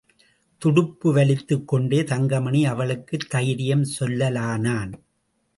துடுப்பு வலித்துக்கொண்டே தங்கமணி அவளுக்குத் தைரியம் சொல்லலானான்.